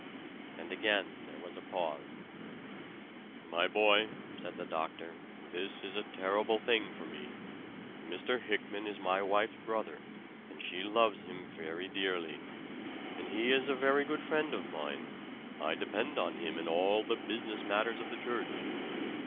And again there was a pause. "My boy," said the doctor, "this is a terrible thing for me. Mr. Hickman is my wife's brother, and she loves him very dearly. And he is a very good friend of mine I depend on him in all the business matters of the church.